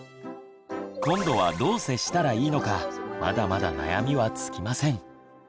今度はどう接したらいいのかまだまだ悩みは尽きません。